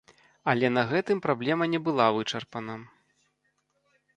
Але на гэтым праблема не была вычарпана.